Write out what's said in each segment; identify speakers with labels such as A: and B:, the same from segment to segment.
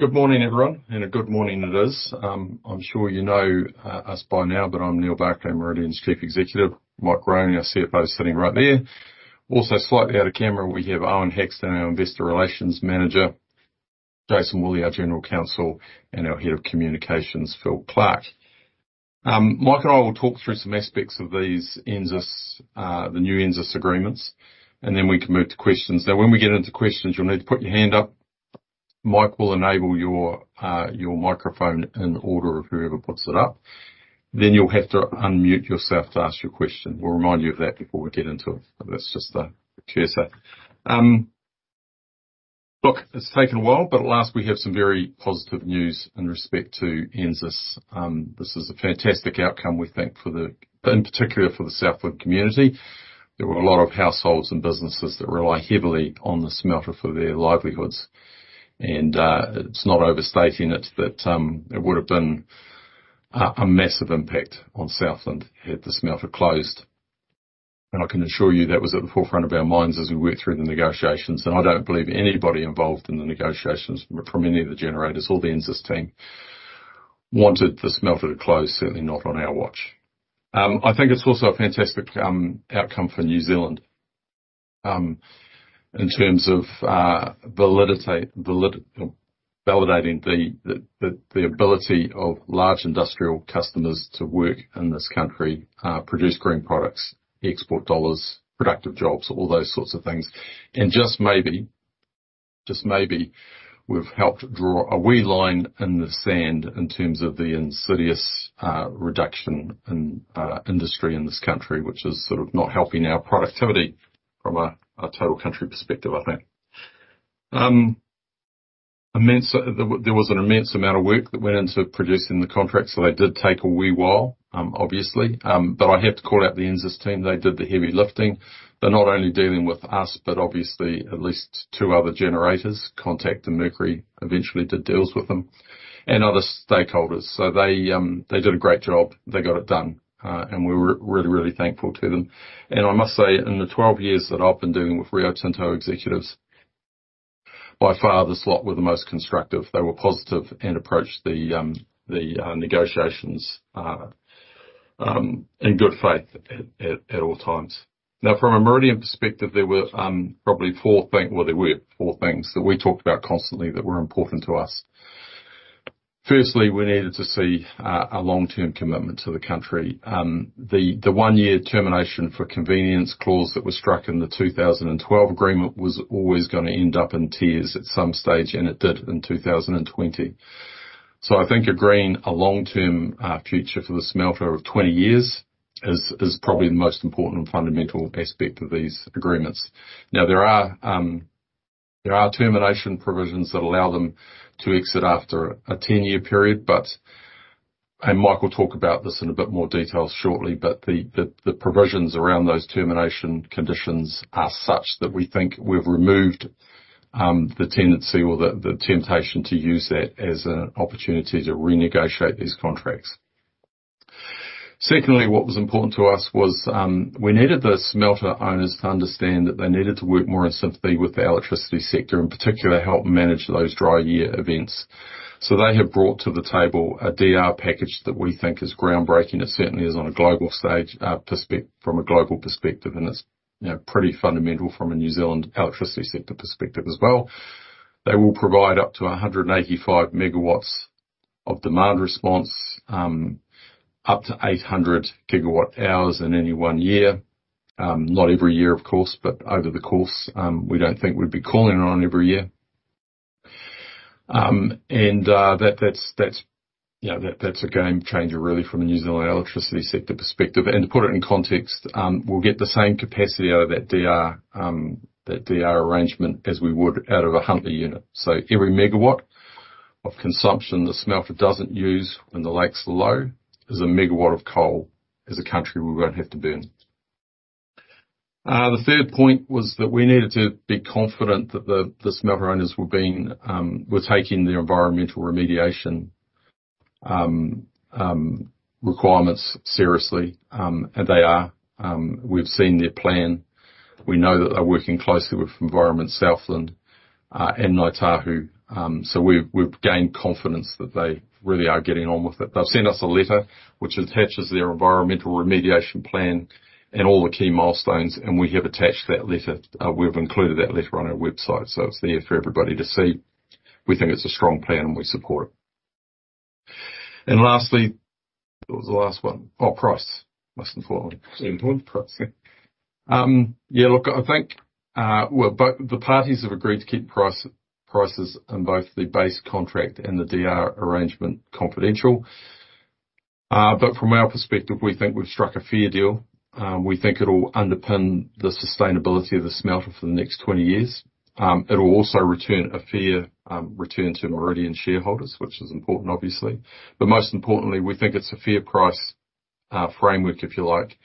A: Good morning, everyone, and a good morning it is. I'm sure you know us by now, but I'm Neal Barclay, Meridian's Chief Executive. Mike Roan, our CFO, sitting right there. Also, slightly out of camera, we have Owen Hackston, our Investor Relations Manager, Jason Woolley, our General Counsel, and our Head of Communications, Phil Clark. Mike and I will talk through some aspects of these NZAS, the new NZAS agreements, and then we can move to questions. Now, when we get into questions, you'll need to put your hand up. Mike will enable your microphone in order of whoever puts it up. Then you'll have to unmute yourself to ask your question. We'll remind you of that before we get into it, but that's just a precursor. Look, it's taken a while, but at last, we have some very positive news in respect to NZAS. This is a fantastic outcome, we think, for the, in particular, for the Southland community. There were a lot of households and businesses that rely heavily on the smelter for their livelihoods, and, it's not overstating it, that it would have been a massive impact on Southland had the smelter closed. And I can assure you, that was at the forefront of our minds as we worked through the negotiations. And I don't believe anybody involved in the negotiations from any of the generators or the NZAS team wanted the smelter to close, certainly not on our watch. I think it's also a fantastic outcome for New Zealand in terms of validating the ability of large industrial customers to work in this country, produce green products, export dollars, productive jobs, all those sorts of things. And just maybe, just maybe, we've helped draw a wee line in the sand in terms of the insidious reduction in industry in this country, which is sort of not helping our productivity from a total country perspective, I think. Immense. There was an immense amount of work that went into producing the contract, so they did take a wee while, obviously. But I have to call out the NZAS team. They did the heavy lifting. They're not only dealing with us, but obviously at least two other generators, Contact and Mercury, eventually did deals with them and other stakeholders. So they, did a great job. They got it done, and we're really, really thankful to them. And I must say, in the 12 years that I've been dealing with Rio Tinto executives, by far, this lot were the most constructive. They were positive and approached the negotiations, in good faith at all times. Now, from a Meridian perspective, there were, probably four things - well, there were four things that we talked about constantly that were important to us. Firstly, we needed to see, a long-term commitment to the country. The one-year termination for convenience clause that was struck in the 2012 agreement was always gonna end up in tears at some stage, and it did in 2020. So I think agreeing a long-term future for the smelter of 20 years is probably the most important and fundamental aspect of these agreements. Now, there are termination provisions that allow them to exit after a 10-year period, but and Mike will talk about this in a bit more detail shortly, but the provisions around those termination conditions are such that we think we've removed the tendency or the temptation to use that as an opportunity to renegotiate these contracts. Secondly, what was important to us was, we needed the smelter owners to understand that they needed to work more in sympathy with the electricity sector, in particular, help manage those dry year events. So they have brought to the table a DR package that we think is groundbreaking. It certainly is on a global stage, from a global perspective, and it's, you know, pretty fundamental from a New Zealand electricity sector perspective as well. They will provide up to 185 MW of demand response, up to 800 GWh in any one year. Not every year, of course, but over the course, we don't think we'd be calling it on every year. And, that's, you know, that's a game changer, really, from a New Zealand electricity sector perspective. To put it in context, we'll get the same capacity out of that DR, that DR arrangement as we would out of a Huntly unit. So every megawatt of consumption the smelter doesn't use when the lakes are low is a megawatt of coal as a country we won't have to burn. The third point was that we needed to be confident that the smelter owners were taking their environmental remediation requirements seriously. And they are. We've seen their plan. We know that they're working closely with Environment Southland and Ngāi Tahu. So we've gained confidence that they really are getting on with it. They've sent us a letter which attaches their environmental remediation plan and all the key milestones, and we have attached that letter. We've included that letter on our website, so it's there for everybody to see. We think it's a strong plan, and we support it. And lastly, what was the last one? Oh, price. Most importantly.
B: Important.
A: Price. Yeah, look, I think, well, both the parties have agreed to keep price, prices in both the base contract and the DR arrangement confidential. But from our perspective, we think we've struck a fair deal. We think it'll underpin the sustainability of the smelter for the next 20 years. It'll also return a fair, return to Meridian shareholders, which is important, obviously. But most importantly, we think it's a fair price, framework, if you like,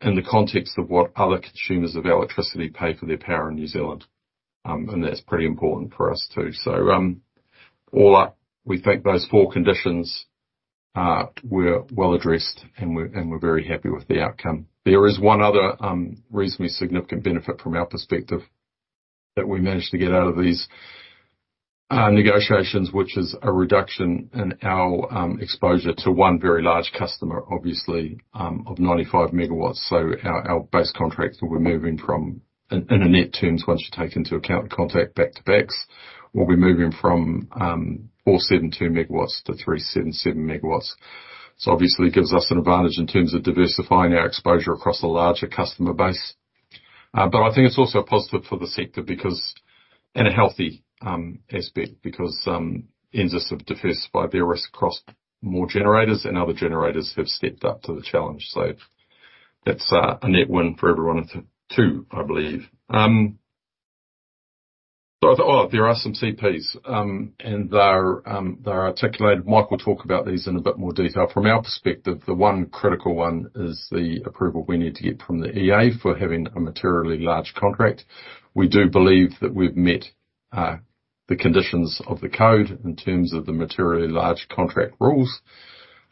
A: in the context of what other consumers of electricity pay for their power in New Zealand. And that's pretty important for us, too. So, all up, we think those four conditions were well addressed, and we're, and we're very happy with the outcome. There is one other, reasonably significant benefit from our perspective that we managed to get out of these, negotiations, which is a reduction in our, exposure to one very large customer, obviously, of 95 MW. So our base contracts will be moving from in net terms, once you take into account the contract back-to-backs, we'll be moving from 472 MW-377 MW. So obviously gives us an advantage in terms of diversifying our exposure across a larger customer base. But I think it's also a positive for the sector because in a healthy aspect, because NZAS have diversified their risk across more generators, and other generators have stepped up to the challenge. So that's a net win for everyone too, I believe. So, there are some CPs, and they're articulated. Mike will talk about these in a bit more detail. From our perspective, the one critical one is the approval we need to get from the EA for having a materially large contract. We do believe that we've met the conditions of the code in terms of the materially large contract rules,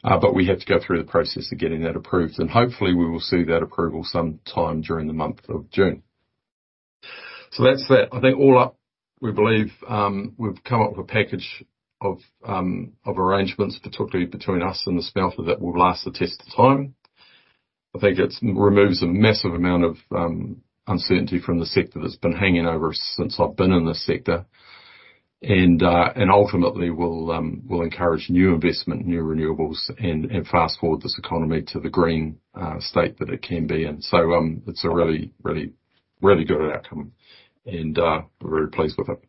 A: but we have to go through the process of getting that approved, and hopefully we will see that approval sometime during the month of June. So that's that. I think all up, we believe we've come up with a package of arrangements, particularly between us and the smelter, that will last the test of time. I think it's removes a massive amount of uncertainty from the sector that's been hanging over us since I've been in this sector. And, and ultimately will encourage new investment, new renewables, and fast-forward this economy to the green, state that it can be. And so it's a really good outcome, and we're very pleased with it.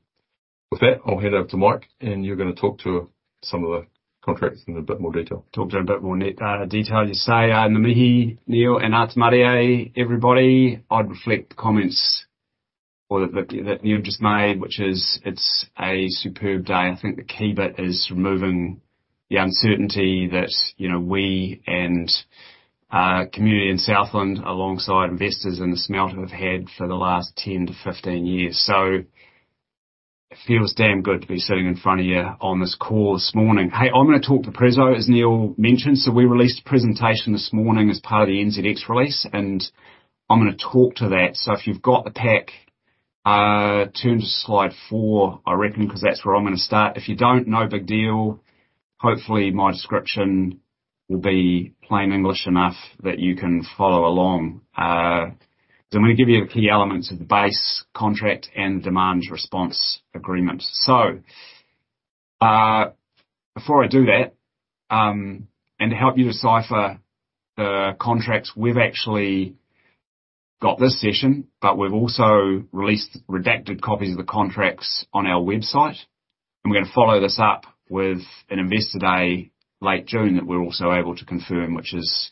A: With that, I'll hand over to Mike, and you're going to talk to some of the contracts in a bit more detail.
C: Talk to in a bit more net, detail, you say. Ngā mihi, Neal, and ata mārie, everybody. I'd reflect the comments or that Neal just made, which is, it's a superb day. I think the key bit is removing the uncertainty that, you know, we and community in Southland, alongside investors in the smelter, have had for the last 10-15 years. So it feels damn good to be sitting in front of you on this call this morning. Hey, I'm gonna talk to preso, as Neal mentioned. So we released a presentation this morning as part of the NZX release, and I'm gonna talk to that. So if you've got the pack, turn to slide 4, I reckon, 'cause that's where I'm gonna start. If you don't, no big deal. Hopefully, my description will be plain English enough that you can follow along. So I'm gonna give you the key elements of the base contract and demand response agreement. So, before I do that, and to help you decipher the contracts, we've actually got this session, but we've also released redacted copies of the contracts on our website, and we're gonna follow this up with an Investor Day, late June, that we're also able to confirm, which is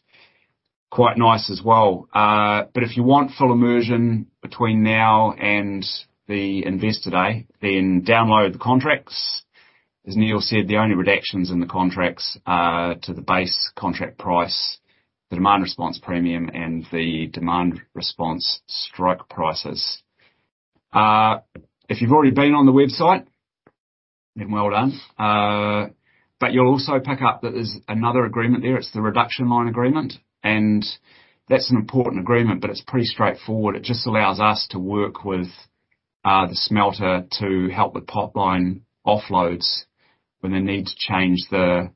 C: quite nice as well. But if you want full immersion between now and the Investor Day, then download the contracts. As Neal said, the only redactions in the contracts, to the base contract price, the demand response premium, and the demand response strike prices. If you've already been on the website, then well done. But you'll also pick up that there's another agreement there. It's the reduction line agreement, and that's an important agreement, but it's pretty straightforward. It just allows us to work with the smelter to help with potline offloads when they need to change the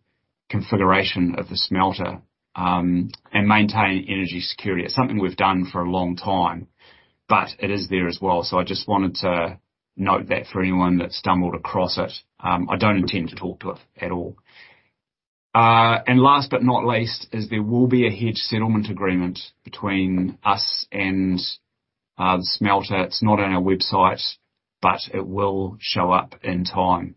C: configuration of the smelter, and maintain energy security. It's something we've done for a long time, but it is there as well. So I just wanted to note that for anyone that stumbled across it. I don't intend to talk to it at all. And last but not least, there will be a hedge settlement agreement between us and the smelter. It's not on our website, but it will show up in time.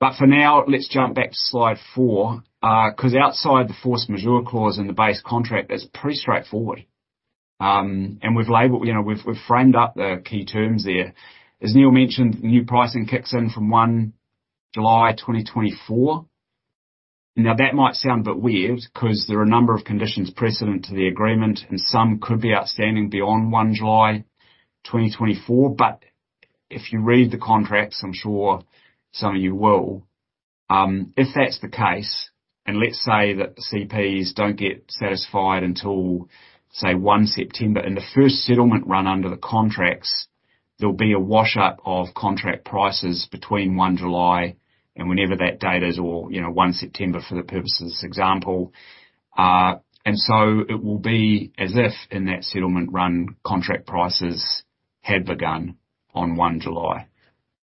C: But for now, let's jump back to slide 4, 'cause outside the force majeure clause and the base contract, it's pretty straightforward. And we've labeled, you know, we've framed up the key terms there. As Neal mentioned, new pricing kicks in fromJuly 1, 2024. Now, that might sound a bit weird, 'cause there are a number of conditions precedent to the agreement, and some could be outstanding beyondJuly 1, 2024. But if you read the contracts, I'm sure some of you will. If that's the case, and let's say that the CPs don't get satisfied until, say, 1 September, in the first settlement run under the contracts, there'll be a wash up of contract prices between 1 July and whenever that date is, or, you know, 1 September, for the purposes of this example. And so it will be as if in that settlement run, contract prices had begun on 1 July.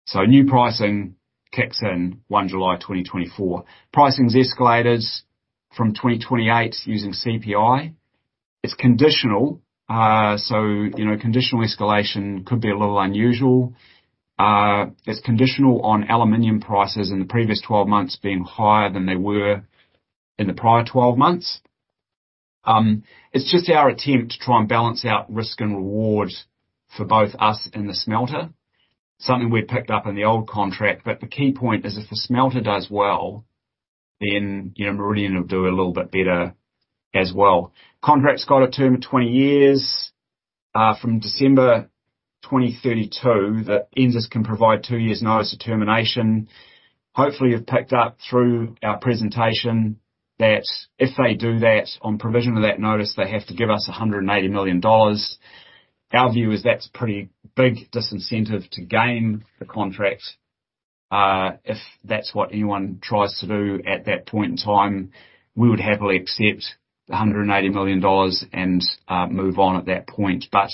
C: So new pricing kicks inJuly 1, 2024. Pricing's escalated from 2028 using CPI. It's conditional, so, you know, conditional escalation could be a little unusual. It's conditional on Aluminum prices in the previous 12 months being higher than they were in the prior 12 months. It's just our attempt to try and balance out risk and reward for both us and the smelter, something we'd picked up in the old contract. But the key point is, if the smelter does well, then, you know, Meridian will do a little bit better as well. Contract's got a term of 20 years from December 2032, that NZAS can provide 2 years' notice of termination. Hopefully, you've picked up through our presentation that if they do that, on provision of that notice, they have to give us 180 million dollars. Our view is that's a pretty big disincentive to gain the contract. If that's what anyone tries to do at that point in time, we would happily accept 180 million dollars and move on at that point. But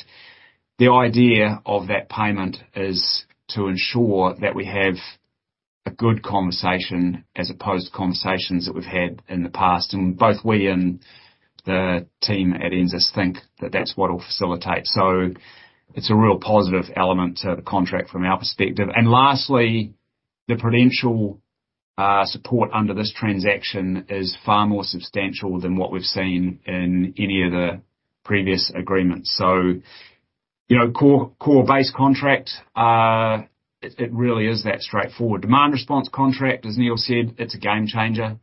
C: the idea of that payment is to ensure that we have a good conversation, as opposed to conversations that we've had in the past. Both we and the team at NZAS think that that's what it'll facilitate. It's a real positive element to the contract from our perspective. Lastly, the prudential support under this transaction is far more substantial than what we've seen in any of the previous agreements. You know, core base contract, it really is that straightforward. Demand response contract, as Neal said, it's a game changer.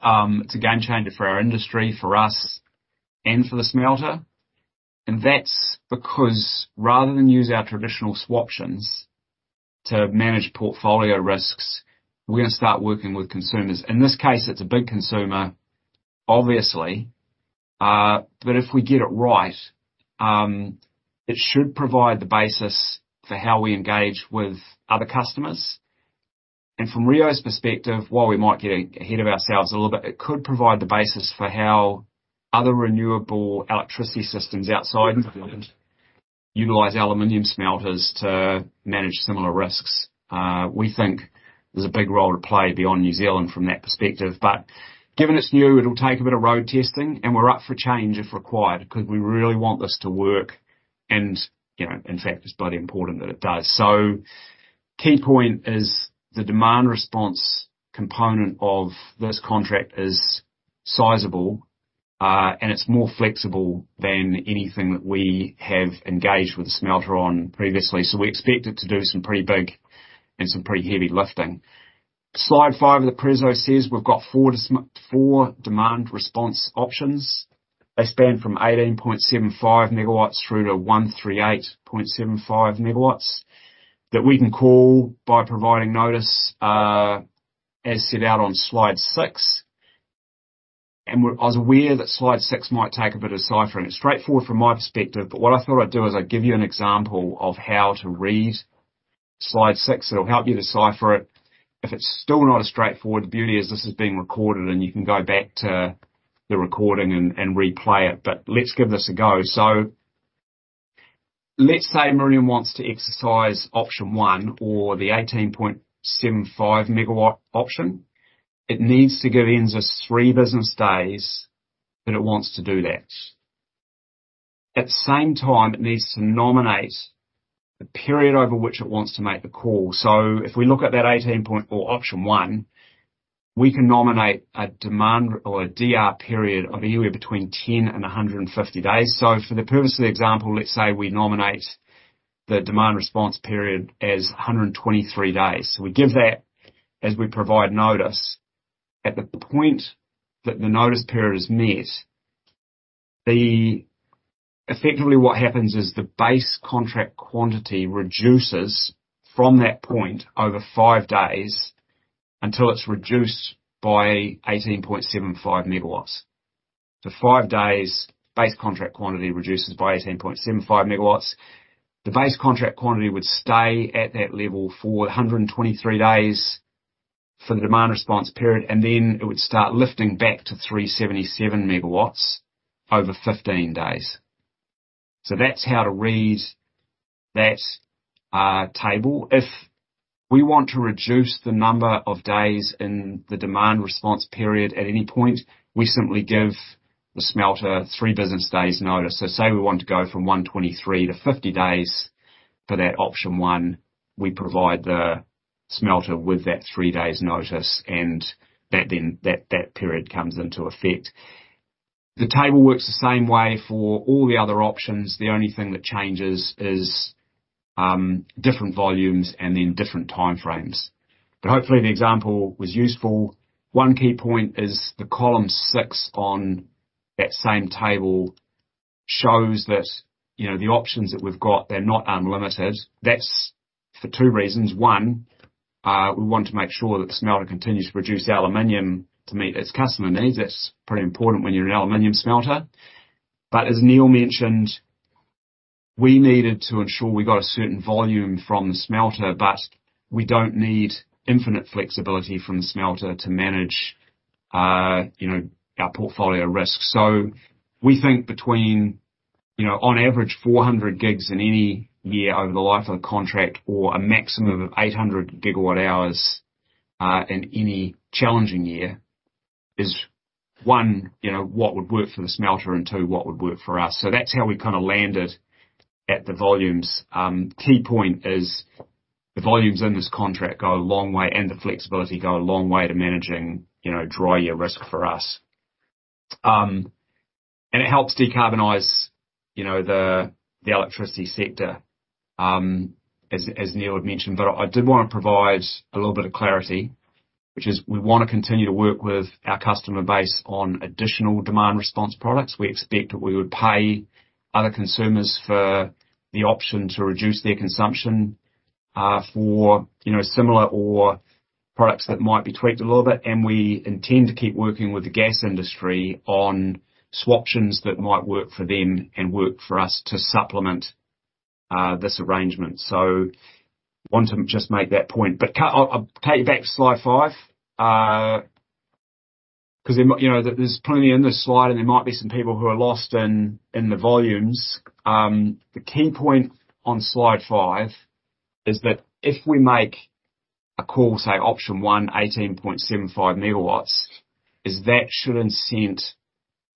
C: It's a game changer for our industry, for us, and for the smelter. That's because rather than use our traditional swaptions to manage portfolio risks, we're going to start working with consumers. In this case, it's a big consumer, obviously, but if we get it right, it should provide the basis for how we engage with other customers. And from Rio's perspective, while we might be getting ahead of ourselves a little bit, it could provide the basis for how other renewable electricity systems outside of New Zealand utilize Aluminum smelters to manage similar risks. We think there's a big role to play beyond New Zealand from that perspective. But given it's new, it'll take a bit of road testing, and we're up for change if required, because we really want this to work. And, you know, in fact, it's bloody important that it does. Key point is, the demand response component of this contract is sizable, and it's more flexible than anything that we have engaged with the smelter on previously. We expect it to do some pretty big and some pretty heavy lifting. Slide five of the preso says we've got four demand response options. They span from 18.75 MW-138.75 MW that we can call by providing notice, as set out on slide six. I was aware that slide six might take a bit of deciphering. It's straightforward from my perspective, but what I thought I'd do is I'd give you an example of how to read slide six. It'll help you decipher it. If it's still not as straightforward, the beauty is this is being recorded, and you can go back to the recording and replay it. But let's give this a go. So let's say Meridian wants to exercise option one or the 18.75-MW option. It needs to give NZAS 3 business days that it wants to do that. At the same time, it needs to nominate the period over which it wants to make the call. So if we look at that 18.75 or option one, we can nominate a demand or a DR period of anywhere between 10 and 150 days. So for the purpose of the example, let's say we nominate the demand response period as 123 days. So we give that as we provide notice. At the point that the notice period is met, the, effectively, what happens is the base contract quantity reduces from that point over 5 days, until it's reduced by 18.75 MW. The 5 days base contract quantity reduces by 18.75 MW. The base contract quantity would stay at that level for 123 days for the demand response period, and then it would start lifting back to 377 MW over 15 days. So that's how to read that table. If we want to reduce the number of days in the demand response period at any point, we simply give the smelter 3 business days' notice. So say we want to go from 123 to 50 days for that option one, we provide the smelter with that 3 days notice, and that period comes into effect. The table works the same way for all the other options. The only thing that changes is, different volumes and then different time frames. But hopefully the example was useful. One key point is the column six on that same table shows that, you know, the options that we've got, they're not unlimited. That's for two reasons: One, we want to make sure that the smelter continues to produce Aluminum to meet its customer needs. That's pretty important when you're an Aluminum smelter. But as Neal mentioned, we needed to ensure we got a certain volume from the smelter, but we don't need infinite flexibility from the smelter to manage, you know, our portfolio risk. So we think between, you know, on average, 400 GWh in any year over the life of the contract, or a maximum of 800 gigawatt hours in any challenging year, is, one, you know, what would work for the smelter, and two, what would work for us. So that's how we kind of landed at the volumes. Key point is, the volumes in this contract go a long way, and the flexibility go a long way to managing, you know, dry year risk for us. And it helps decarbonize, you know, the electricity sector, as, as Neal had mentioned, but I did want to provide a little bit of clarity. Which is we want to continue to work with our customer base on additional demand response products. We expect that we would pay other consumers for the option to reduce their consumption, for, you know, similar or products that might be tweaked a little bit. And we intend to keep working with the gas industry on swaptions that might work for them and work for us to supplement this arrangement. So wanted to just make that point. But I'll take you back to slide 5, 'cause there you know, there's plenty in this slide, and there might be some people who are lost in the volumes. The key point on slide 5 is that if we make a call, say, option 1, 18.75 MW, is that should incent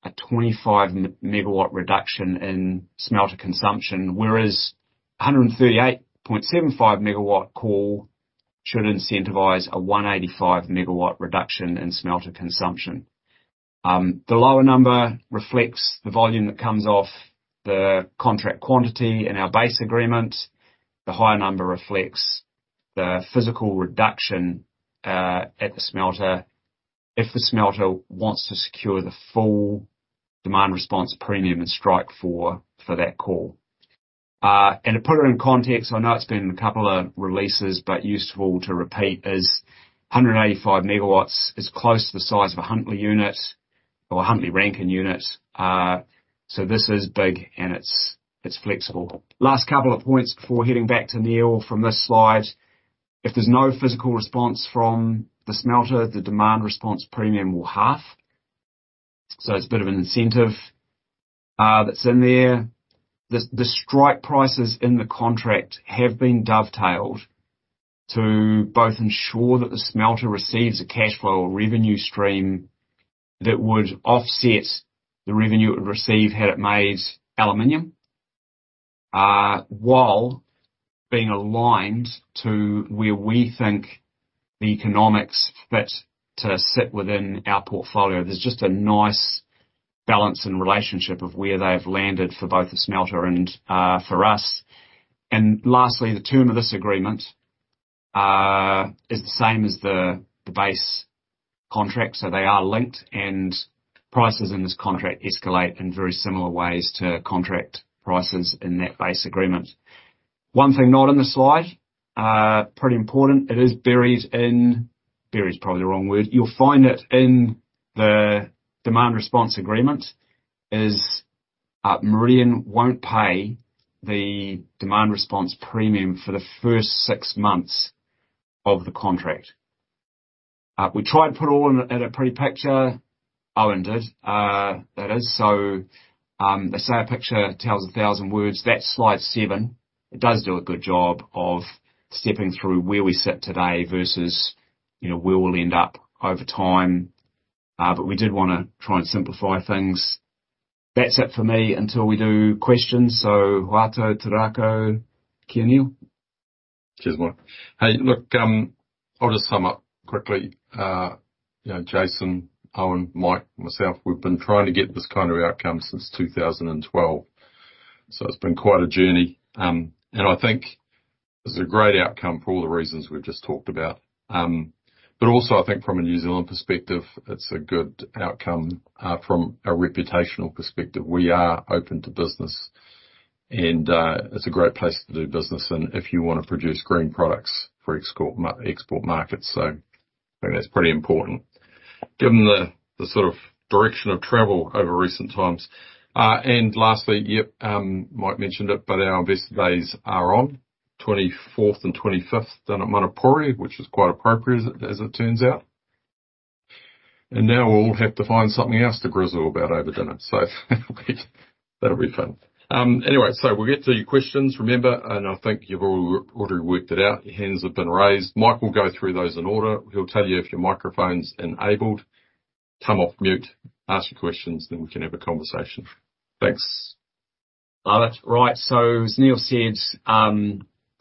C: a 25 MW reduction in smelter consumption, whereas a 138.75 MW call should incentivize a 185 MW reduction in smelter consumption. The lower number reflects the volume that comes off the contract quantity in our base agreement. The higher number reflects the physical reduction at the smelter, if the smelter wants to secure the full demand response premium and strike for that call. And to put it in context, I know it's been in a couple of releases, but useful to repeat, 185 megawatts is close to the size of a Huntly unit or a Huntly Rankine unit. So this is big, and it's flexible. Last couple of points before heading back to Neal from this slide. If there's no physical response from the smelter, the demand response premium will halve. So it's a bit of an incentive, that's in there. The strike prices in the contract have been dovetailed to both ensure that the smelter receives a cash flow or revenue stream that would offset the revenue it would receive had it made Aluminum, while being aligned to where we think the economics fit to sit within our portfolio. There's just a nice balance and relationship of where they've landed for both the smelter and for us. And lastly, the term of this agreement is the same as the base contract, so they are linked, and prices in this contract escalate in very similar ways to contract prices in that base agreement. One thing not in the slide, pretty important, it is buried in... Buried is probably the wrong word. You'll find it in the demand response agreement, Meridian won't pay the demand response premium for the first six months of the contract. We tried to put it all in at a pretty picture. Owen did, that is, so, they say a picture tells a thousand words. That's slide seven. It does do a good job of stepping through where we sit today versus, you know, where we'll end up over time. But we did wanna try and simplify things. That's it for me until we do questions. So whakatau, te rākau, kia ora, Neal.
A: Cheers, mate. Hey, look, I'll just sum up quickly. You know, Jason, Owen, Mike, myself, we've been trying to get this kind of outcome since 2012, so it's been quite a journey. And I think this is a great outcome for all the reasons we've just talked about. But also I think from a New Zealand perspective, it's a good outcome, from a reputational perspective. We are open to business, and, it's a great place to do business in if you want to produce green products for export markets. So I think that's pretty important given the, the sort of direction of travel over recent times. And lastly, yep, Mike mentioned it, but our Investor Days are on 24th and 25th down at Manapōuri, which is quite appropriate as it, as it turns out. Now we'll all have to find something else to grizzle about over dinner, so that'll be, that'll be fun. Anyway, so we'll get to your questions, remember, and I think you've already worked it out. Your hands have been raised. Mike will go through those in order. He'll tell you if your microphone's enabled. Come off mute, ask your questions, then we can have a conversation. Thanks.
C: That's right. So as Neil said,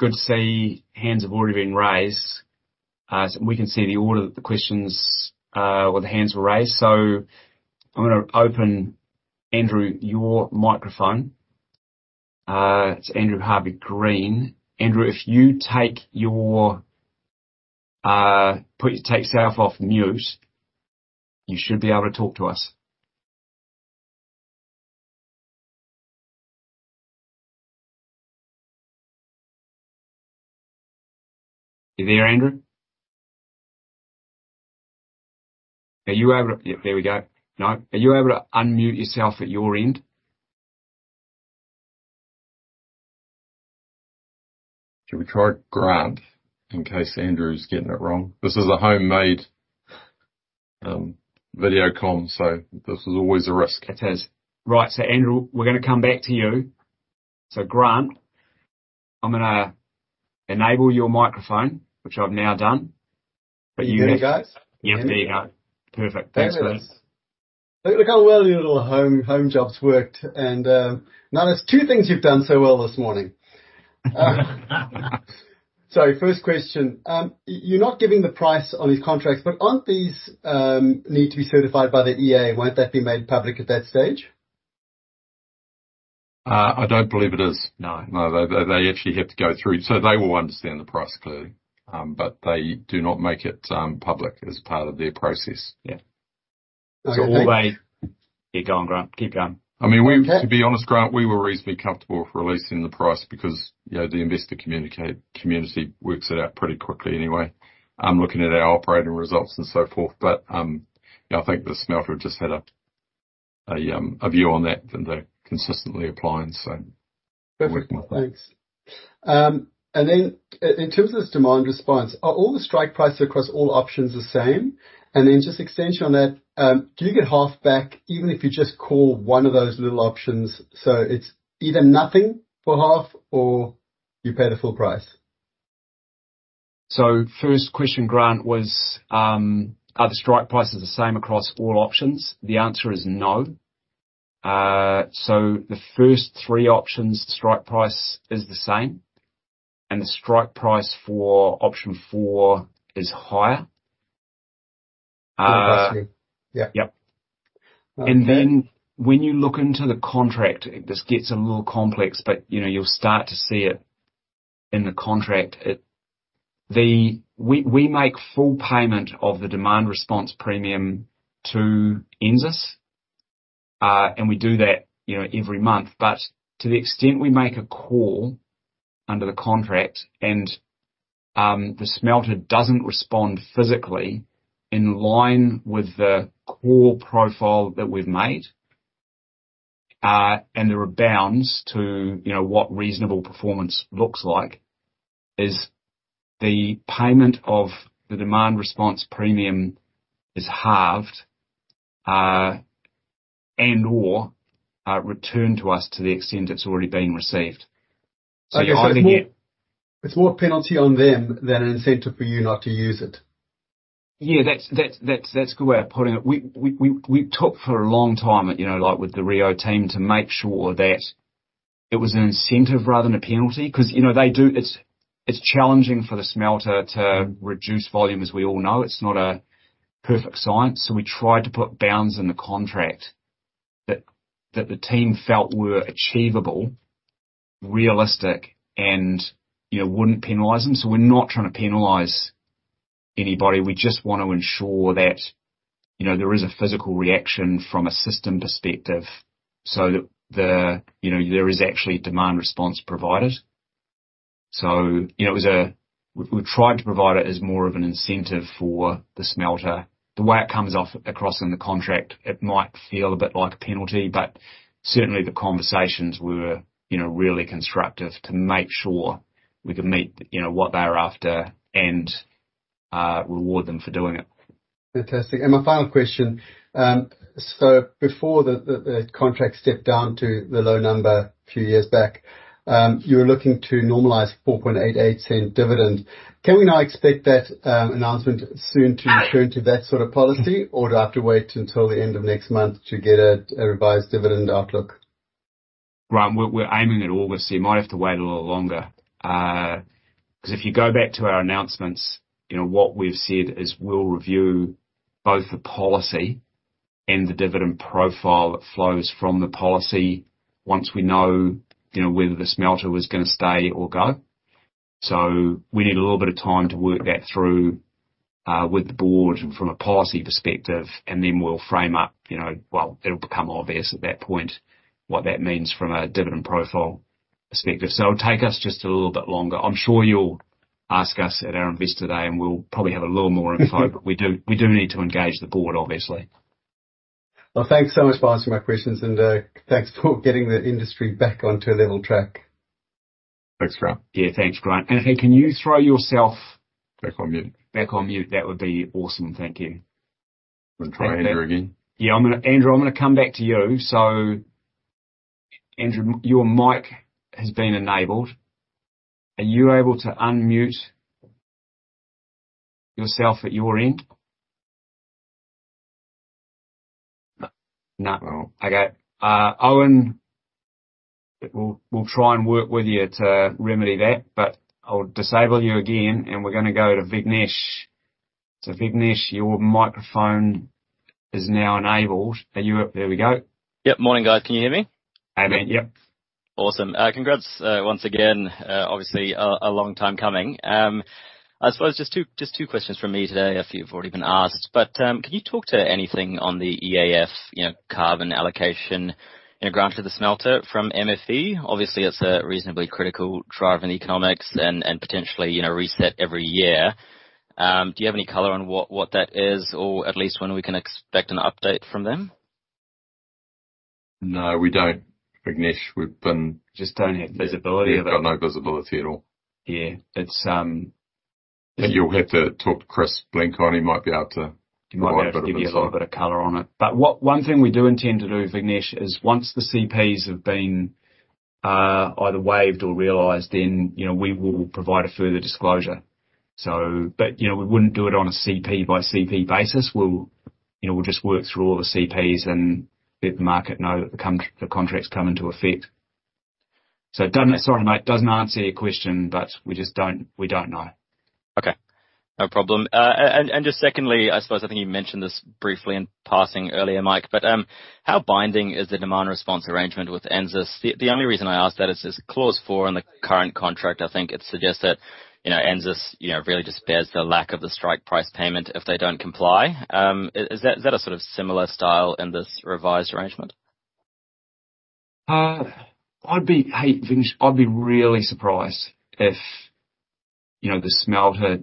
C: good to see hands have already been raised. So we can see the order that the questions, or the hands were raised. So I'm gonna open, Andrew, your microphone. It's Andrew Harvey-Green. Andrew, if you take yourself off mute, you should be able to talk to us. You there, Andrew? Are you able to? Yeah, there we go. Now, are you able to unmute yourself at your end?
A: Shall we try Grant, in case Andrew is getting it wrong? This is a homemade, video comm, so this is always a risk.
C: It is. Right. So, Andrew, we're gonna come back to you. So, Grant, I'm gonna enable your microphone, which I've now done, but you-
B: You good guys?
C: Yes, there you go. Perfect. Thanks, man.
B: Look how well your little homework worked, and now there's two things you've done so well this morning. So first question, you're not giving the price on these contracts, but aren't these need to be certified by the EA? Won't that be made public at that stage?
A: I don't believe it is.
C: No.
A: No, they actually have to go through. So they will understand the price clearly, but they do not make it public as part of their process.
C: Yeah.
B: So are they-
C: Yeah, go on, Grant. Keep going.
A: I mean, we-
B: Okay.
A: To be honest, Grant, we were reasonably comfortable with releasing the price because, you know, the investor community works it out pretty quickly anyway, looking at our operating results and so forth. But, yeah, I think the smelter just had a view on that, that they consistently apply and so-
B: Perfect. Thanks. And then in terms of this demand response, are all the strike prices across all options the same? And then just extension on that, do you get half back, even if you just call one of those little options, so it's either nothing for half or you pay the full price?
C: So first question, Grant, was: Are the strike prices the same across all options? The answer is no. So the first three options, the strike price is the same, and the strike price for option four is higher.
B: Yeah.
C: Yep.
B: Okay.
C: And then when you look into the contract, this gets a little complex, but, you know, you'll start to see it in the contract. We make full payment of the demand response premium to NZAS, and we do that, you know, every month. But to the extent we make a call under the contract and the smelter doesn't respond physically in line with the core profile that we've made, and there are bounds to, you know, what reasonable performance looks like, the payment of the demand response premium is halved, and/or returned to us to the extent it's already been received. So yes, I think it-
B: It's more penalty on them than an incentive for you not to use it.
C: Yeah, that's a good way of putting it. We talked for a long time, you know, like with the Rio team, to make sure that it was an incentive rather than a penalty. 'Cause, you know, they do... It's challenging for the smelter to reduce volume, as we all know. It's not a perfect science. So we tried to put bounds in the contract that the team felt were achievable, realistic and, you know, wouldn't penalize them. So we're not trying to penalize anybody. We just want to ensure that, you know, there is a physical reaction from a system perspective so that the, you know, there is actually a demand response provided. So you know, it was a... We tried to provide it as more of an incentive for the smelter. The way it comes across in the contract, it might feel a bit like a penalty, but certainly the conversations were, you know, really constructive to make sure we could meet, you know, what they're after and reward them for doing it.
B: Fantastic. My final question, so before the contract stepped down to the low number a few years back, you were looking to normalize 4.88% dividend. Can we now expect that announcement soon to return to that sort of policy, or do I have to wait until the end of next month to get a revised dividend outlook?
C: Grant, we're aiming at August; you might have to wait a little longer. 'Cause if you go back to our announcements, you know, what we've said is we'll review both the policy and the dividend profile that flows from the policy once we know, you know, whether the smelter was going to stay or go. So we need a little bit of time to work that through with the board from a policy perspective, and then we'll frame up, you know. Well, it'll become obvious at that point, what that means from a dividend profile perspective. So it'll take us just a little bit longer. I'm sure you'll ask us at our Investor Day, and we'll probably have a little more info. But we do need to engage the board, obviously.
B: Well, thanks so much for answering my questions, and, thanks for getting the industry back onto a level track.
A: Thanks, Grant.
C: Yeah, thanks, Grant. And, hey, can you throw yourself-
A: Back on mute.
C: Back on mute? That would be awesome. Thank you.
A: I'm going to try Andrew again.
C: Yeah, I'm gonna... Andrew, I'm gonna come back to you. So, Andrew, your mic has been enabled. Are you able to unmute yourself at your end? No.
A: Oh.
C: Okay, Owen, we'll try and work with you to remedy that, but I'll disable you again, and we're gonna go to Vignesh. So, Vignesh, your microphone is now enabled. Are you... There we go.
B: Yep. Morning, guys. Can you hear me?
C: Hey, man. Yep.
B: Awesome. Congrats once again, obviously, a long time coming. I suppose just two, just two questions from me today, a few have already been asked. But can you talk to anything on the EAF, you know, carbon allocation, you know, granted to the smelter from MFE? Obviously, it's a reasonably critical driver in the economics, and potentially, you know, reset every year. Do you have any color on, what that is, or at least when we can expect an update from them?
A: No, we don't, Vignesh, we've been-
C: Just don't have visibility.
A: We've got no visibility at all.
C: Yeah, it's-
A: You'll have to talk to Chris Blenkiron. He might be able to provide a bit of insight.
C: He might be able to give you a little bit of color on it. But what one thing we do intend to do, Vignesh, is once the CPs have been either waived or realized, then, you know, we will provide a further disclosure. So, but, you know, we wouldn't do it on a CP by CP basis. We'll, you know, we'll just work through all the CPs and let the market know that the contracts come into effect. So it doesn't, sorry, Mike, doesn't answer your question, but we just don't, we don't know.
B: Okay, no problem. And just secondly, I suppose I think you mentioned this briefly in passing earlier, Mike, but how binding is the demand response arrangement with NZAS? The only reason I ask that is Clause Four in the current contract, I think it suggests that, you know, NZAS, you know, really just bears the lack of the strike price payment if they don't comply. Is that a sort of similar style in this revised arrangement?
C: Hey, Vignesh, I'd be really surprised if, you know, the smelter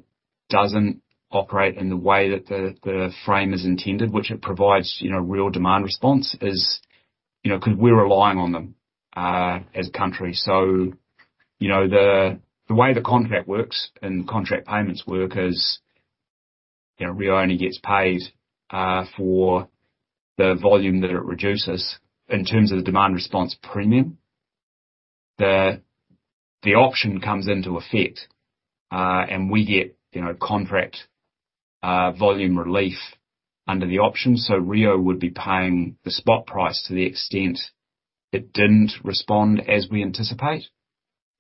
C: doesn't operate in the way that the frame is intended, which it provides, you know, real demand response, you know, 'cause we're relying on them as a country. So, you know, the way the contract works and the contract payments work is, you know, Rio only gets paid for the volume that it reduces in terms of the demand response premium. The option comes into effect, and we get, you know, contract volume relief under the option. So Rio would be paying the spot price to the extent it didn't respond as we anticipate.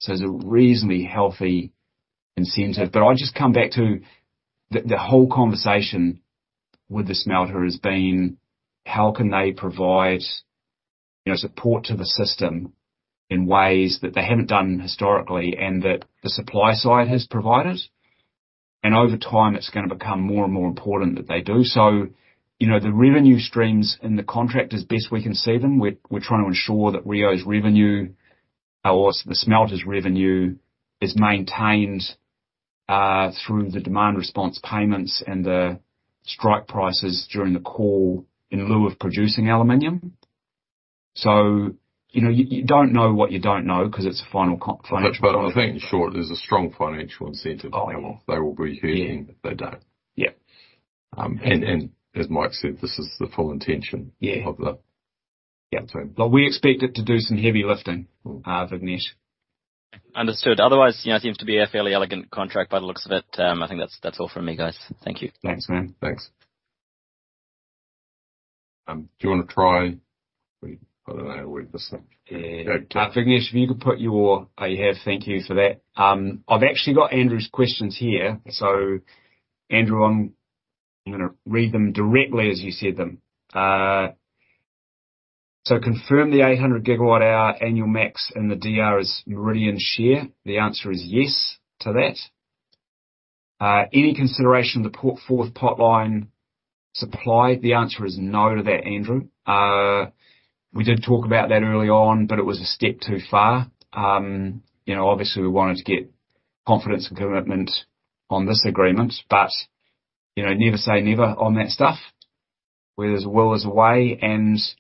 C: So it's a reasonably healthy incentive. But I'll just come back to the whole conversation with the smelter has been: how can they provide, you know, support to the system in ways that they haven't done historically, and that the supply side has provided? And over time, it's gonna become more and more important that they do. So, you know, the revenue streams in the contract as best we can see them, we're trying to ensure that Rio's revenue, or the smelter's revenue, is maintained through the demand response payments and the strike prices during the call, in lieu of producing Aluminum. So, you know, you don't know what you don't know, 'cause it's a final co-financial-
A: But I think, sure, there's a strong financial incentive-
C: Oh, yeah.
A: They will be hitting if they don't.
C: Yeah.
A: And as Mike said, this is the full intention-
C: Yeah
A: -of the... Yeah.
C: Well, we expect it to do some heavy lifting, uh, Vignesh.
B: Understood. Otherwise, you know, it seems to be a fairly elegant contract by the looks of it. I think that's all from me, guys. Thank you.
C: Thanks, man. Thanks.
A: Do you wanna try? We... I don't know where this thing-
C: Yeah. Vignesh, if you could put your... Oh, you have. Thank you for that. I've actually got Andrew's questions here. So, Andrew, I'm gonna read them directly as you said them. So confirm the 800 gigawatt hour annual max in the DR is Meridian share? The answer is yes to that. Any consideration the Potline 4 supply? The answer is no to that, Andrew. We did talk about that early on, but it was a step too far. You know, obviously, we wanted to get confidence and commitment on this agreement, but, you know, never say never on that stuff. Where there's a will, there's a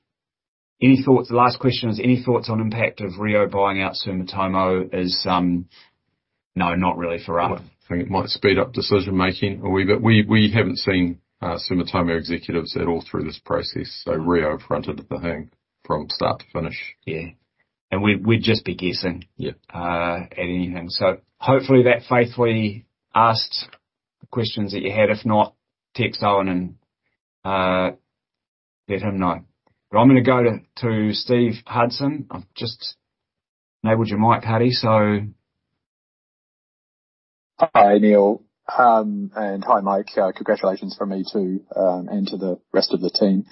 C: way. And any thoughts... The last question is, any thoughts on impact of Rio buying out Sumitomo is, no, not really for us.
A: I think it might speed up decision-making a wee bit. We haven't seen Sumitomo executives at all through this process, so Rio fronted the thing from start to finish.
C: Yeah. And we'd just be guessing-
A: Yeah
C: -at anything. So hopefully that faithfully asked the questions that you had. If not, text Owen and let him know. But I'm gonna go to Steve Hudson. I've just enabled your mic, Paddy, so.
B: Hi, Neal, and hi, Mike. Congratulations from me, too, and to the rest of the team.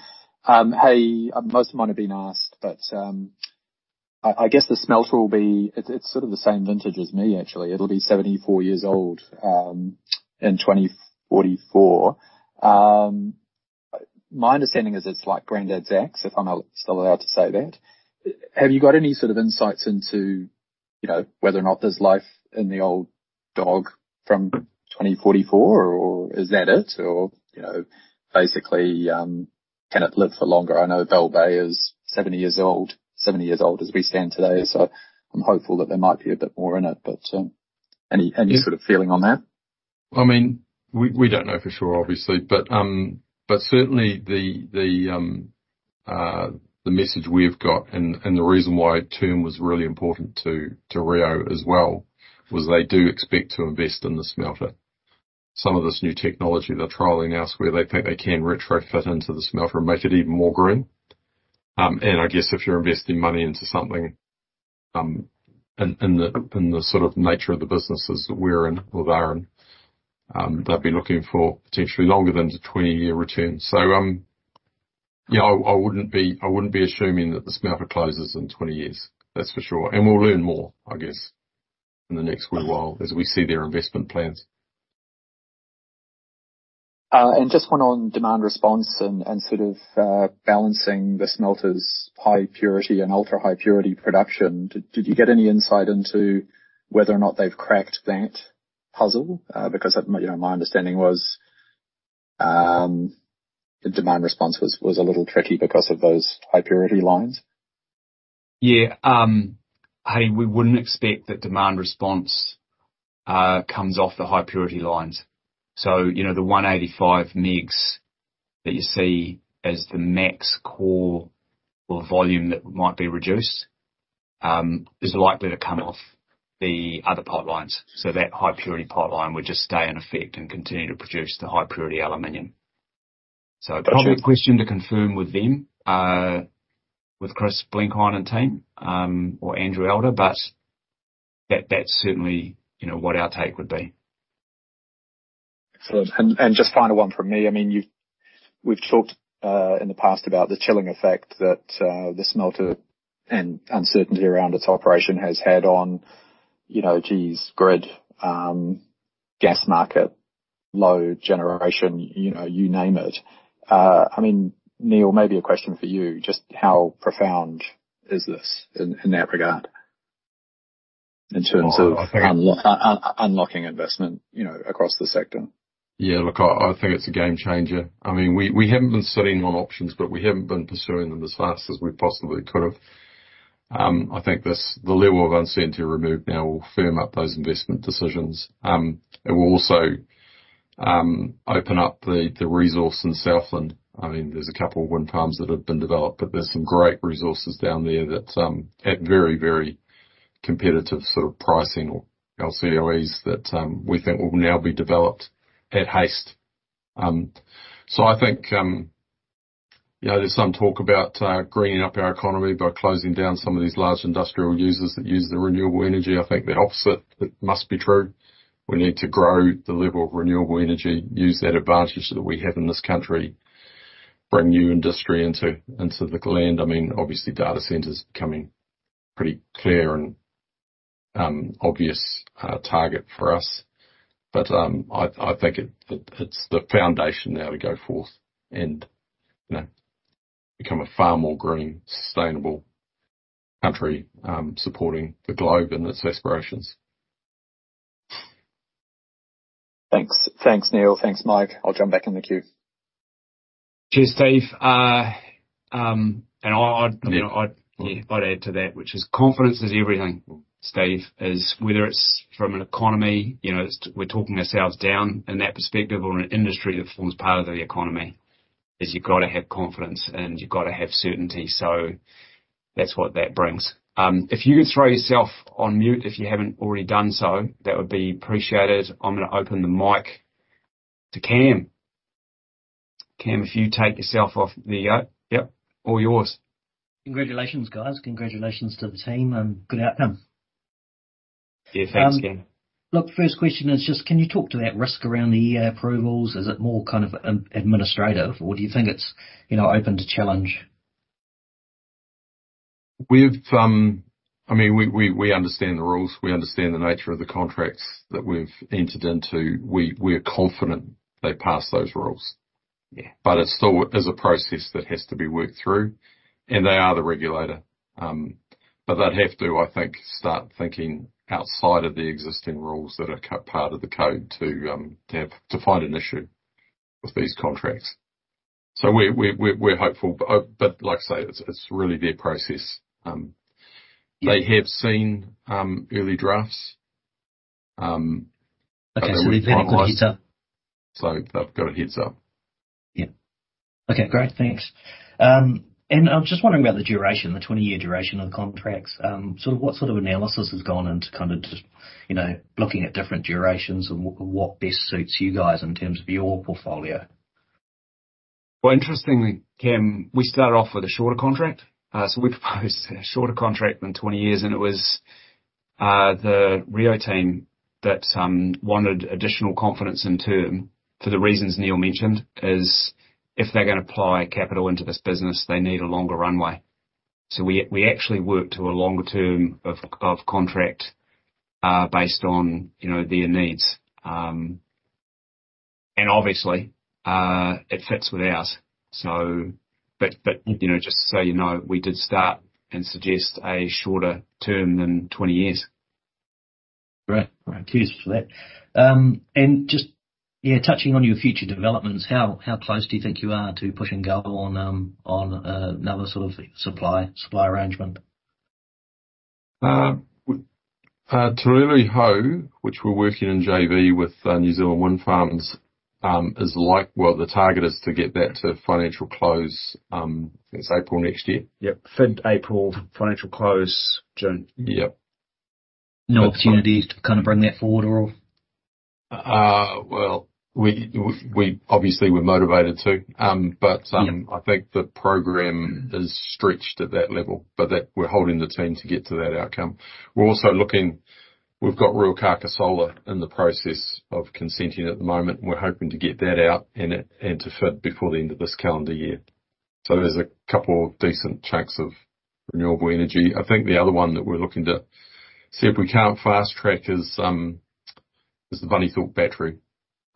B: Hey, most might have been asked, but, I guess the smelter will be... It's sort of the same vintage as me, actually. It'll be 74 years old in 2044. My understanding is it's like Grandad's axe, if I'm still allowed to say that. Have you got any sort of insights into, you know, whether or not there's life in the old dog from 2044, or is that it? Or, you know, basically, can it live for longer? I know Bell Bay is 70 years old, 70 years old as we stand today, so I'm hopeful that there might be a bit more in it. But, any sort of feeling on that?
A: I mean, we don't know for sure, obviously. But certainly, the message we've got, and the reason why term was really important to Rio as well, was they do expect to invest in the smelter. Some of this new technology they're trialing elsewhere, they think they can retrofit into the smelter and make it even more green. And I guess if you're investing money into something, in the sort of nature of the businesses that we're in, or they're in, they'll be looking for potentially longer than the 20-year return. So, yeah, I wouldn't be assuming that the smelter closes in 20 years, that's for sure. And we'll learn more, I guess, in the next little while, as we see their investment plans.
B: Just one on demand response and sort of balancing the smelter's high purity and ultra-high purity production. Did you get any insight into whether or not they've cracked that puzzle? Because, you know, my understanding was the demand response was a little tricky because of those high purity lines.
C: Yeah. Hey, we wouldn't expect that demand response comes off the high purity potlines. So, you know, the 185 MW that you see as the max core or volume that might be reduced is likely to come off the other potlines. So that high purity potline would just stay in effect and continue to produce the high purity Aluminum. So probably a question to confirm with them, with Chris Blenkiron and team, or Andrew Elder, but that's certainly, you know, what our take would be.
B: Excellent. And just final one from me. I mean, we've talked in the past about the chilling effect that the smelter and uncertainty around its operation has had on, you know, geez, grid, gas market, load generation, you know, you name it. I mean, Neal, maybe a question for you: Just how profound is this in that regard, in terms of unlocking investment, you know, across the sector?
A: Yeah, look, I think it's a game changer. I mean, we haven't been sitting on options, but we haven't been pursuing them as fast as we possibly could have. I think this. The level of uncertainty removed now will firm up those investment decisions. It will also open up the resource in Southland. I mean, there's a couple of wind farms that have been developed, but there's some great resources down there that at very competitive sort of pricing or LCOEs that we think will now be developed at haste. So I think, you know, there's some talk about greening up our economy by closing down some of these large industrial users that use the renewable energy. I think the opposite must be true. We need to grow the level of renewable energy, use that advantage that we have in this country, bring new industry into the land. I mean, obviously, data centers are becoming pretty clear and obvious target for us. But, I think it, it's the foundation now to go forth and, you know, become a far more green, sustainable country, supporting the globe and its aspirations.
B: Thanks, Neal. Thanks, Mike. I'll jump back in the queue.
C: Cheers, Steve.
A: Yeah.
C: You know, I'd, yeah, I'd add to that, which is confidence is everything, Steve. Is whether it's from an economy, you know, it's, we're talking ourselves down in that perspective or an industry that forms part of the economy, is you've gotta have confidence, and you've gotta have certainty. So that's what that brings. If you could throw yourself on mute, if you haven't already done so, that would be appreciated. I'm gonna open the mic to Cam. Cam, if you take yourself off... There you go. Yep, all yours.
B: Congratulations, guys. Congratulations to the team, and good outcome.
C: Yeah, thanks, Cam.
B: Look, first question is just - can you talk to that risk around the EA approvals? Is it more kind of, administrative, or do you think it's, you know, open to challenge?
A: I mean, we understand the rules. We understand the nature of the contracts that we've entered into. We are confident they pass those rules.
B: Yeah.
A: But it still is a process that has to be worked through, and they are the regulator. But they'd have to, I think, start thinking outside of the existing rules that are a part of the code to find an issue with these contracts. So we're hopeful, but like I say, it's really their process. They have seen early drafts, but they weren't-
B: Okay, so they've had a heads-up?
A: They've got a heads up.
B: Yeah. Okay, great. Thanks. And I'm just wondering about the duration, the 20-year duration of the contracts. Sort of, what sort of analysis has gone into kind of just, you know, looking at different durations and what best suits you guys in terms of your portfolio?
C: Well, interestingly, Cam, we started off with a shorter contract. So we proposed a shorter contract than 20 years, and it was the Rio team that wanted additional confidence in term, for the reasons Neal mentioned, is if they're going to apply capital into this business, they need a longer runway. So we actually worked to a longer term of contract, based on, you know, their needs. And obviously, it fits with ours, so... But you know, just so you know, we did start and suggest a shorter term than 20 years.
B: Great. Cheers for that. And just, yeah, touching on your future developments, how close do you think you are to pushing go on another sort of supply arrangement?
A: Te Rere Hau, which we're working in JV with New Zealand Wind Farms, is like... Well, the target is to get that to financial close. I think it's April next year.
C: Yep. 5 April. Financial close, June.
A: Yep.
B: No opportunities to kind of bring that forward at all?
A: Well, we obviously we're motivated to, but I think the program is stretched at that level, but that we're holding the team to get to that outcome. We're also looking. We've got Ruakākā Solar in the process of consenting at the moment, and we're hoping to get that out and to FID before the end of this calendar year. So there's a couple of decent chunks of renewable energy. I think the other one that we're looking to see if we can't fast-track is the Bunnythorpe battery.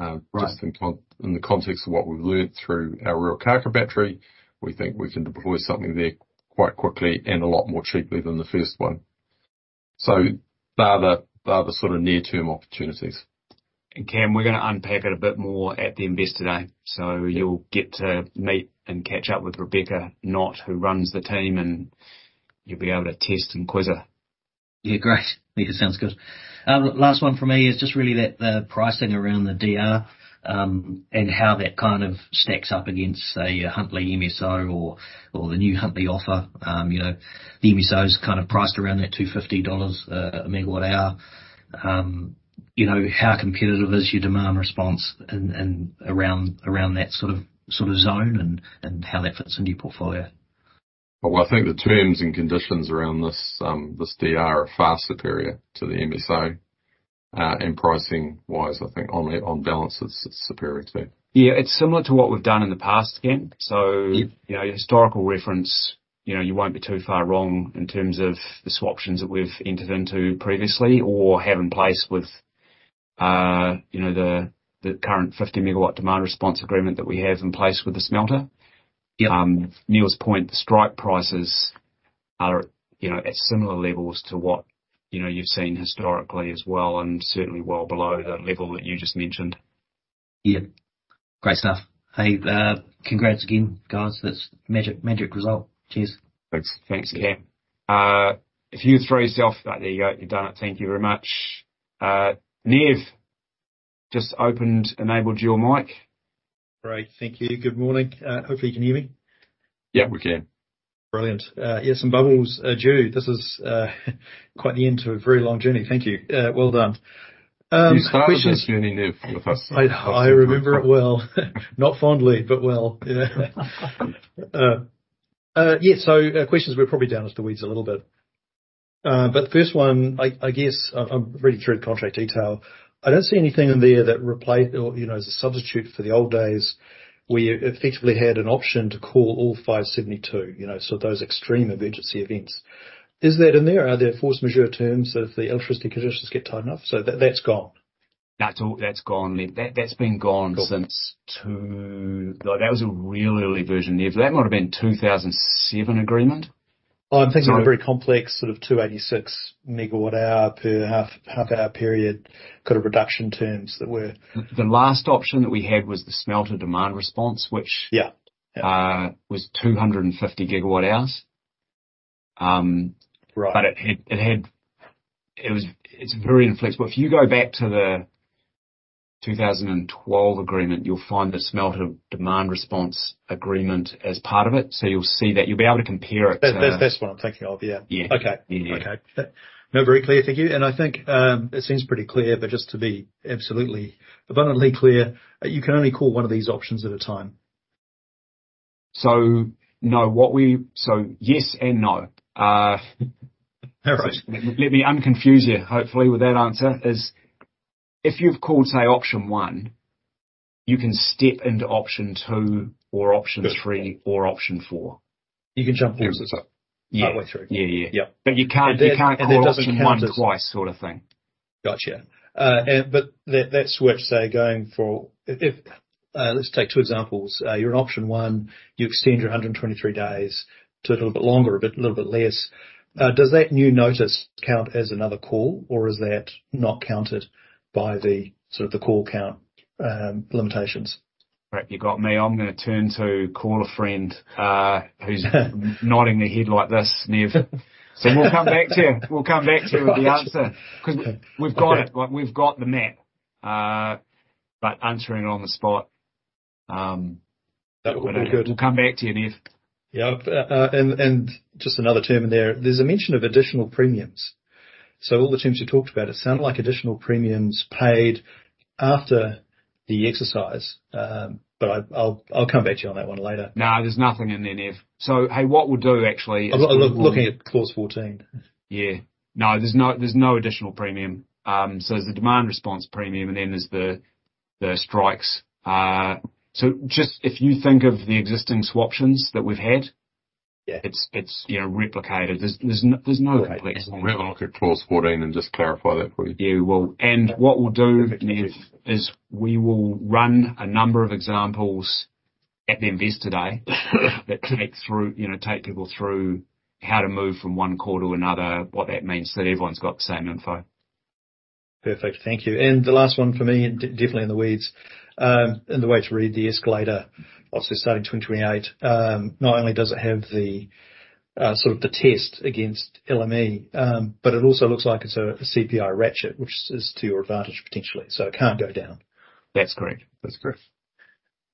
B: Right
A: Just in the context of what we've learned through our Ruakākā battery, we think we can deploy something there quite quickly and a lot more cheaply than the first one. So they are the sort of near-term opportunities.
C: Cam, we're gonna unpack it a bit more at the Investor Day, so you'll get to meet and catch up with Rebecca Knott, who runs the team, and you'll be able to test and quiz her.
B: Yeah, great. Yeah, sounds good. Last one from me is just really that, the pricing around the DR, and how that kind of stacks up against a Huntly MSO, or the new Huntly offer. You know, the MSO is kind of priced around 250 dollars/MWh, you know, how competitive is your demand response and around, around that sort of zone and, and how that fits into your portfolio?
A: Well, I think the terms and conditions around this DR are far superior to the MSO. Pricing-wise, I think on balance, it's superior to that.
C: Yeah, it's similar to what we've done in the past, Cam. So-
B: Yep.
C: -you know, historical reference, you know, you won't be too far wrong in terms of the swaptions that we've entered into previously or have in place with, you know, the current 50 megawatt demand response agreement that we have in place with the smelter.
B: Yep.
C: Neal's point, the strike prices are, you know, at similar levels to what, you know, you've seen historically as well, and certainly well below the level that you just mentioned.
B: Yeah. Great stuff. Hey, congrats again, guys. That's magic result. Cheers.
C: Thanks. Thanks, Cam. If you throw yourself... There you go. You've done it. Thank you very much. Nev, just opened, enabled your mic.
B: Great. Thank you. Good morning. Hopefully you can hear me.
C: Yeah, we can.
B: Brilliant. Yeah, some bubbles are due. This is quite the end to a very long journey. Thank you. Well done. Questions-
A: You started this journey, Nev, from the first-
B: I remember it well. Not fondly, but well. Yeah, so, questions, we're probably down in the weeds a little bit. But the first one, I guess I'm reading through the contract detail. I don't see anything in there that replaced or, you know, as a substitute for the old days, where you effectively had an option to call all 572, you know, so those extreme emergency events. Is that in there? Are there force majeure terms if the electricity conditions get tight enough? So that's gone.
C: That's all, that's gone, Nev. That's been gone-
B: Cool.
C: Well, that was a really early version, Nev. That might have been 2007 agreement?
B: I'm thinking of a very complex, sort of, 286 MWh per half hour period, kind of, reduction terms that were-
C: The last option that we had was the smelter demand response, which-
B: Yeah
C: was 250 GWh.
B: Right.
C: But it's very inflexible. If you go back to the 2012 agreement, you'll find the smelter demand response agreement as part of it. So you'll see that. You'll be able to compare it to-
B: That's what I'm thinking of, yeah.
C: Yeah.
B: Okay.
C: Yeah.
B: Okay. No, very clear. Thank you, and I think, it seems pretty clear, but just to be absolutely abundantly clear, you can only call one of these options at a time.
C: So no. What we... So yes and no.
B: All right.
C: Let me unconfuse you, hopefully, with that answer: if you've called, say, option one, you can step into option two, or option three-
B: Good
C: -or option 4.
B: You can jump forward-
A: Move it up.
B: -halfway through.
C: Yeah.
B: Yep.
C: You can't call-
B: That doesn't count as-
C: -option one twice sort of thing.
B: Gotcha. But that's where, say, going for... If, let's take two examples. Your option one, you extend your 123 days to a little bit longer or a bit, little bit less. Does that new notice count as another call, or is that not counted by the, sort of, the call count, limitations?
C: Right. You got me. I'm gonna turn to call a friend, who's nodding their head like this, Nev. So we'll come back to you. We'll come back to you with the answer, 'cause we've got it-
B: Got it.
C: -we've got the map, but answering it on the spot,
B: That would be good.
C: We'll come back to you, Nev.
B: Yeah. And just another term in there. There's a mention of additional premiums. So all the terms you talked about, it sound like additional premiums paid after the exercise, but I'll come back to you on that one later.
C: No, there's nothing in there, Nev. So, hey, what we'll do actually is-
B: I'm looking at clause 14.
C: Yeah. No, there's no, there's no additional premium. So there's the demand response premium, and then there's the, the strikes. So just if you think of the existing swaptions that we've had-
B: Yeah
C: -it's, you know, replicated. There's no complexity.
A: We'll have a look at clause 14 and just clarify that for you.
C: Yeah, we will.
B: Yeah.
C: What we'll do, Nev-
B: Perfect, thank you.
C: -is we will run a number of examples at the Investor Day, that take through, you know, take people through how to move from one call to another, what that means, that everyone's got the same info.
B: Perfect. Thank you. And the last one for me, and definitely in the weeds, and the way to read the escalator, obviously starting 2028, not only does it have the, sort of, the test against LME, but it also looks like it's a, a CPI ratchet, which is to your advantage potentially. So it can't go down.
C: That's correct.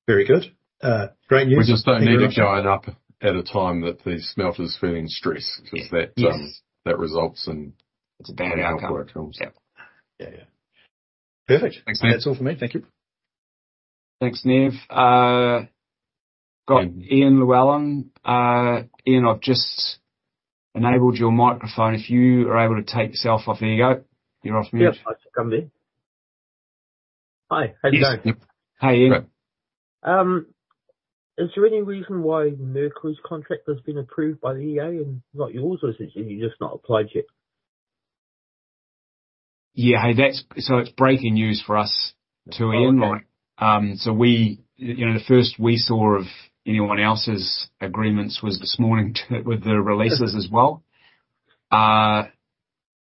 B: Very good. Great news.
A: We just don't need it going up at a time that the smelter's feeling stressed.
C: Yeah.
B: Yes
A: 'cause that results in-
C: It's a bad outcome.
A: Outcomes.
C: Yep.
B: Yeah. Perfect.
C: Thanks, Nev.
B: That's all for me. Thank you.
C: Thanks, Nev. Got Ian Llewellyn. Ian, I've just enabled your microphone, if you are able to take yourself off... There you go. You're off mute.
B: Yep, I can come in. Hi, how you going?
C: Hi, Ian.
B: Is there any reason why Mercury's contract has been approved by the EA and not yours, or is it you've just not applied yet?
C: Yeah. Hey, that's. So it's breaking news for us, too, Ian.
B: Oh, okay.
C: So we... You know, the first we saw of anyone else's agreements was this morning with the releases as well. So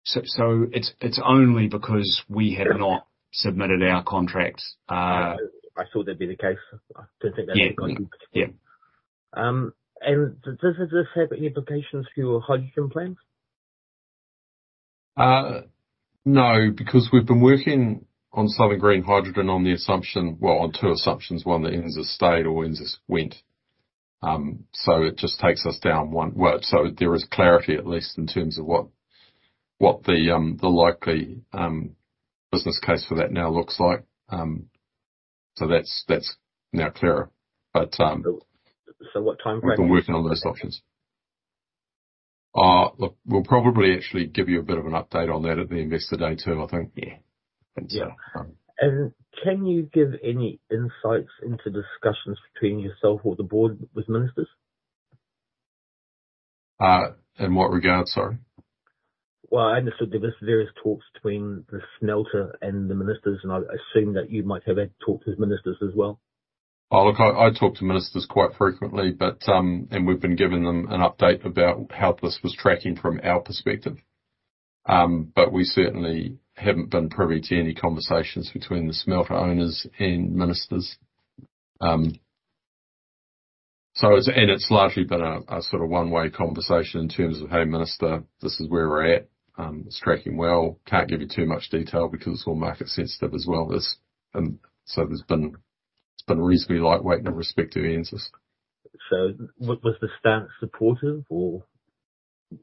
C: it's only because we have not submitted our contracts.
B: I thought that'd be the case. I didn't think that would-
C: Yeah.
B: Does this, does this have any implications for your hydrogen plans?
A: No, because we've been working on Southern Green Hydrogen on the assumption... Well, on two assumptions, one, that NZAS stayed or NZAS went. So it just takes us down one, well, so there is clarity, at least in terms of what, the likely, business case for that now looks like. So that's now clearer. But,
B: What timeframe?
A: We've been working on those options. Look, we'll probably actually give you a bit of an update on that at the Investor Day, too, I think.
C: Yeah.
A: Yeah, um.
B: Can you give any insights into discussions between yourself or the board with ministers?
A: In what regard, sorry?
B: Well, I understood there was various talks between the smelter and the ministers, and I assume that you might have had talks with ministers as well.
A: Oh, look, I talk to ministers quite frequently, but. We've been giving them an update about how this was tracking from our perspective. But we certainly haven't been privy to any conversations between the smelter owners and ministers. So it's, and it's largely been a sort of one-way conversation in terms of, "Hey, Minister, this is where we're at. It's tracking well." Can't give you too much detail because it's all market sensitive as well as, it's been reasonably lightweight in the respective answers.
B: So was the stance supportive or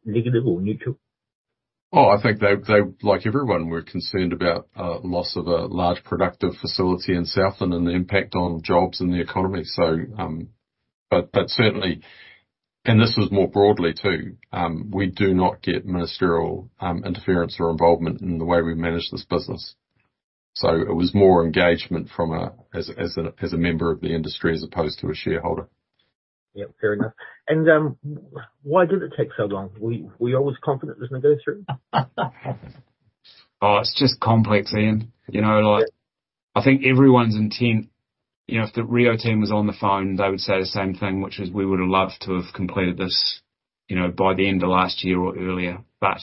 B: negative, or neutral?
A: Oh, I think they, like everyone, were concerned about loss of a large productive facility in Southland and the impact on jobs and the economy. So, but certainly, and this was more broadly, too, we do not get ministerial interference or involvement in the way we manage this business. So it was more engagement from a member of the industry as opposed to a shareholder.
B: Yep, fair enough. Why did it take so long? Were you always confident this was going to go through?
C: Oh, it's just complex, Ian. You know, like, I think everyone's intent, you know, if the Rio team was on the phone, they would say the same thing, which is we would have loved to have completed this, you know, by the end of last year or earlier, but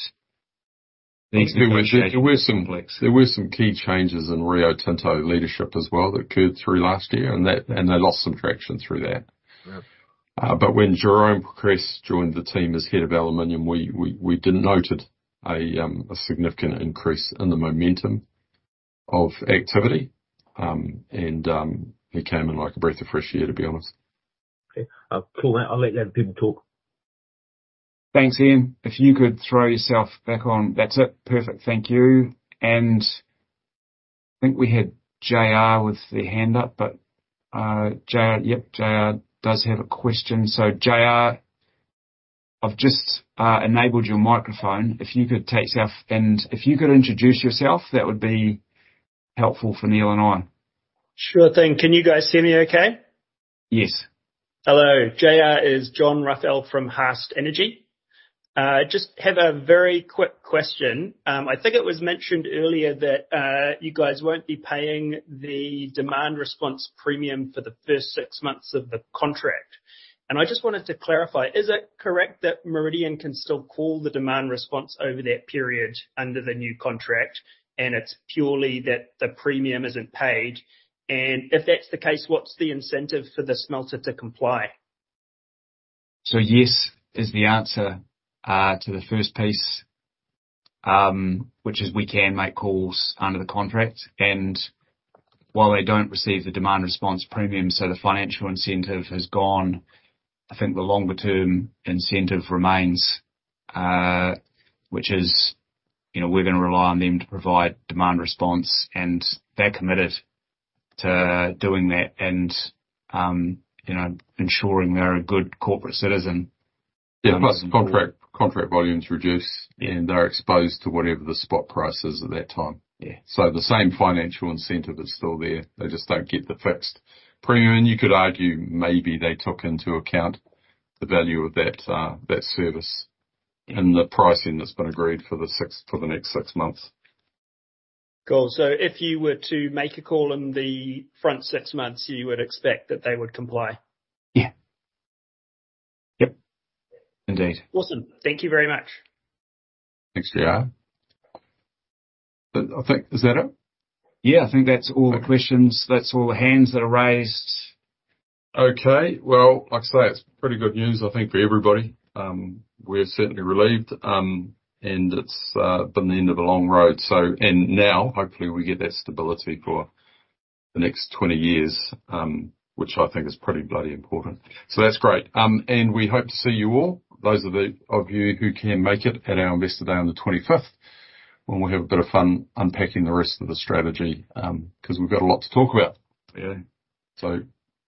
C: these-
A: There were some key changes in Rio Tinto leadership as well that occurred through last year, and that... And they lost some traction through that.
C: Yep.
A: But when Jérôme Pécresse joined the team as head of Aluminum, we denoted a significant increase in the momentum of activity. And he came in like a breath of fresh air, to be honest.
B: Okay. I'll cool that. I'll let the other people talk.
C: Thanks, Ian. If you could throw yourself back on. That's it. Perfect. Thank you. And I think we had J.R. with their hand up, but, J.R.... Yep, J.R. does have a question. So, J.R., I've just enabled your microphone. If you could take self and if you could introduce yourself, that would be helpful for Neal and I.
D: Sure thing. Can you guys hear me okay?
C: Yes.
D: Hello. JR is John Raphael from Haast Energy. Just have a very quick question. I think it was mentioned earlier that you guys won't be paying the demand response premium for the first six months of the contract. And I just wanted to clarify: Is it correct that Meridian can still call the demand response over that period under the new contract, and it's purely that the premium isn't paid? And if that's the case, what's the incentive for the smelter to comply?
C: So yes, is the answer to the first piece, which is we can make calls under the contract. And while they don't receive the demand response premium, so the financial incentive has gone, I think the longer term incentive remains, which is, you know, we're going to rely on them to provide demand response, and they're committed to doing that and, you know, ensuring they're a good corporate citizen.
A: Yeah, plus contract, contract volume is reduced-
C: Yeah
A: -and they're exposed to whatever the spot price is at that time.
C: Yeah.
A: So the same financial incentive is still there. They just don't get the fixed premium. And you could argue, maybe they took into account the value of that, that service in the pricing that's been agreed for the next 6 months.
D: Cool. So if you were to make a call in the front six months, you would expect that they would comply?
C: Yeah. Yep, indeed.
D: Awesome. Thank you very much.
A: Thanks, J.R. But I think... Is that it?
C: Yeah, I think that's all the questions. That's all the hands that are raised.
A: Okay. Well, like I say, it's pretty good news, I think, for everybody. We're certainly relieved, and it's been the end of a long road. Now, hopefully, we get that stability for the next 20 years, which I think is pretty bloody important. So that's great. And we hope to see you all, those of you who can make it at our Investor Day on the 25th, when we have a bit of fun unpacking the rest of the strategy, 'cause we've got a lot to talk about.
C: Yeah.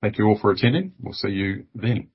A: Thank you all for attending. We'll see you then.